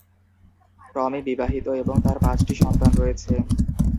টমি বিবাহিত এবং তার পাঁচটি সন্তান রয়েছে।